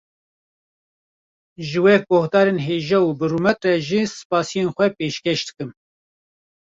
Ji we guhdarên hêja û bi rûmet re jî spasiyên xwe pêşkêş dikim